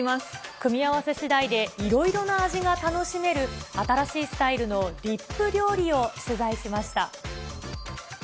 組み合わせしだいでいろいろな味が楽しめる新しいスタイルのディップ料理を取材しました。